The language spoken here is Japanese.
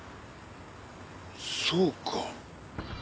そうか。